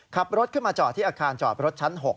ขับรถขึ้นมาจอดที่อาคารจอดรถชั้น๖